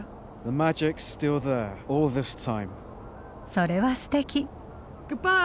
それはすてき。